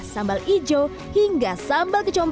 sambal hijau hingga sambal kecom